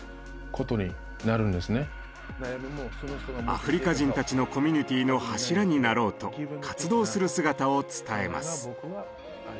アフリカ人たちのコミュニティーの柱になろうと活動する姿を伝えます。